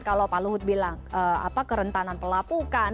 kalau pak luhut bilang kerentanan pelapukan